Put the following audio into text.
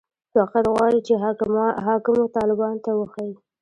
فقط غواړي چې حاکمو طالبانو ته وښيي.